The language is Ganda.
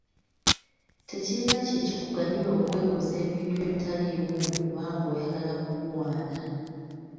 Tekirina kye kikuganyula okwekoza ebintu ebitaliimu mbu kubanga oyagala kukuwaana.